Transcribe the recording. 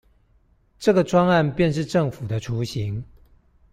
這個專案便是政府的雛形